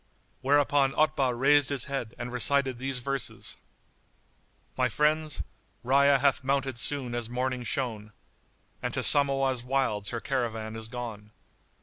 [FN#86] Whereupon Otbah raised his head and recited these verses, "My friends, Rayya hath mounted soon as morning shone, * And to Samawah's wilds her caravan is gone.